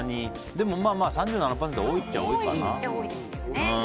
でも３７％、多いっちゃ多いかな。